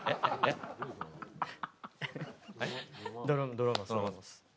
ドラマです。